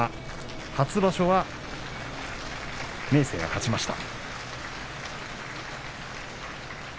初場所は明生が勝ちました。